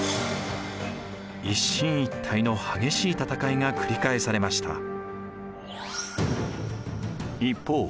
一進一退の激しい戦いが繰り返されました。